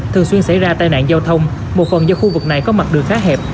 thường xuyên xảy ra tai nạn giao thông một phần do khu vực này có mặt đường khá hẹp